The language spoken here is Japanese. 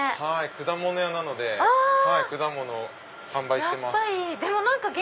果物屋なので果物を販売してます。